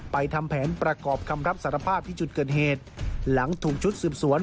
ทำแผนประกอบคำรับสารภาพที่จุดเกิดเหตุหลังถูกชุดสืบสวน